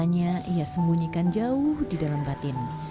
air matanya ia sembunyikan jauh di dalam batin